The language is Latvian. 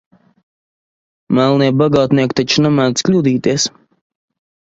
Melnie bagātnieki taču nemēdz kļūdīties.